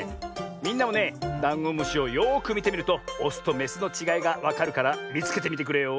みんなもねダンゴムシをよくみてみるとオスとメスのちがいがわかるからみつけてみてくれよ。